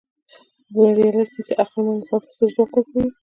بریالۍ کیسه عقلمن انسان ته ستر ځواک ورکوي.